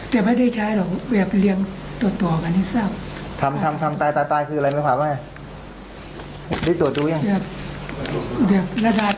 เขาจะตัวใหม่ไปเรื่อยเรย์